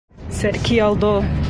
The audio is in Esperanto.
Sed kial do?